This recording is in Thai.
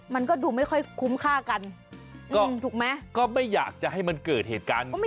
มันก็ดูไม่ค่อยคุ้มค่ากันก็ถูกไหมก็ไม่อยากจะให้มันเกิดเหตุการณ์